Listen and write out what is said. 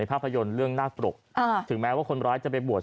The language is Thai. ในภาพยนต์เรื่องน่าปลกอ่าถึงแม้ว่าคนร้ายจะเป็นบวด